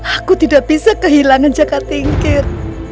aku tidak bisa kehilangan jaka tingkir